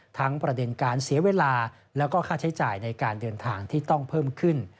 ประเด็นการเสียเวลาแล้วก็ค่าใช้จ่ายในการเดินทางที่ต้องเพิ่มขึ้น